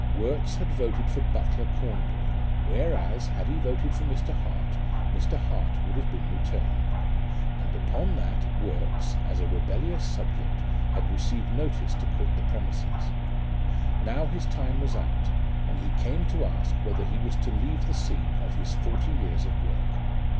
Worts had voted for Butler Cornbury, whereas, had he voted for Mr. Hart, Mr. Hart would have been returned; and, upon that, Worts, as a rebellious subject, had received notice to quit the premises. Now his time was out, and he came to ask whether he was to leave the scene of his forty years of work.